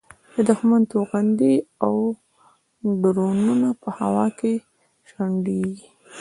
د دوښمن توغندي او ډرونونه په هوا کې شنډېږي.